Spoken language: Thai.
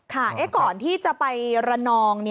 ค่ะก่อนที่จะไปละนอง